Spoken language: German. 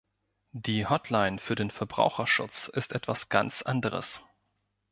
Die Hotline für den Verbraucherschutz ist etwas ganz anderes.